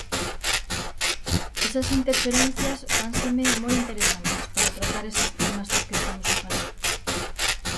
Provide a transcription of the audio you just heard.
Esas interferencias fánseme moi interesantes para tratar eses temas dos que estamos a falar.